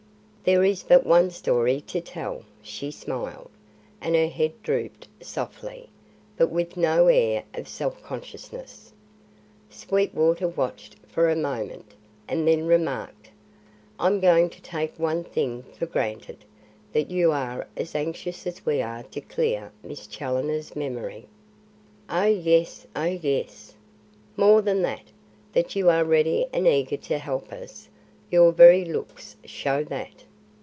"There is but one story to tell," she smiled, and her head drooped softly, but with no air of self consciousness. Sweetwater watched her for a moment, and then remarked: "I'm going to take one thing for granted; that you are as anxious as we are to clear Miss Challoner's memory." "O yes, O yes." "More than that, that you are ready and eager to help us. Your very looks show that."